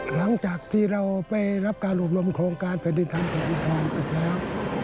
หลังจากที่เราไปรับการอบรมโครงการแผ่นดินธรรมแผ่นดินธรรมสุดแล้ว